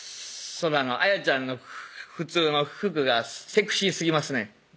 あやちゃんの普通の服がセクシー過ぎますね